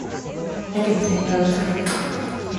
やけに蝉がうるさかった